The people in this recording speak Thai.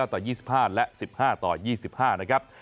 ๒๐ต่อ๒๕๑๙ต่อ๒๕และ๑๕ต่อ๒๕นะครับ